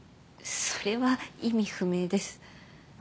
それは意味不明ですあ